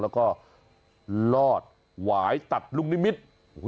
แล้วก็ลอดหวายตัดลุงนิมิตร